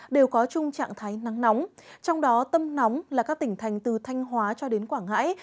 đều có chung trạng thái nắng nóng trong đó tâm nóng là các tỉnh thành từ thanh hóa cho đến quảng ngãi